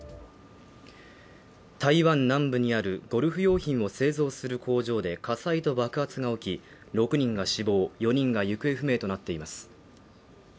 台湾南部にあるゴルフ用品を製造する工場で火災と爆発が起き６人が死亡４人が行方不明となっています